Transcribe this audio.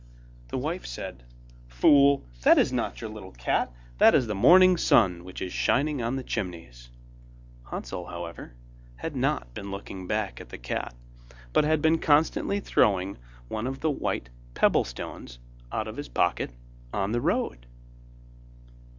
The wife said: 'Fool, that is not your little cat, that is the morning sun which is shining on the chimneys.' Hansel, however, had not been looking back at the cat, but had been constantly throwing one of the white pebble stones out of his pocket on the road.